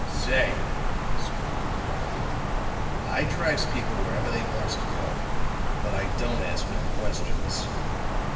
"Say," spoke he, roughly. "I drives people wherever they wants to go; but I don't ask no questions."